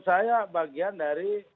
saya bagian dari